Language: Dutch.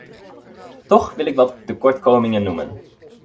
Toch wil ik wat tekortkomingen noemen.